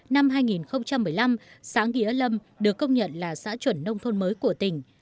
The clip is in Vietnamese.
năm hai nghìn một mươi năm xã nghĩa lâm được công nhận là xã chuẩn nông thôn mới của tỉnh